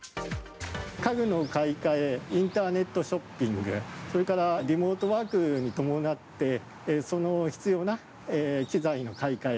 家具の買い替え、インターネットショッピング、それからリモートワークに伴って、その必要な機材の買い替え。